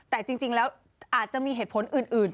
แต่จริงแล้วอาจจะมีเหตุผลอื่น